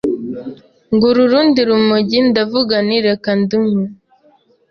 ngura urundi rumogi ndavuga nti reka ndunywe